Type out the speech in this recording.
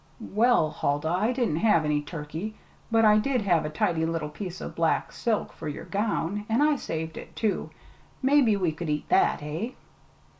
"Well, Huldah, I didn't have any turkey, but I did have a tidy little piece o' black silk for yer gown, an' I saved it, too. Mebbe we could eat that! eh?"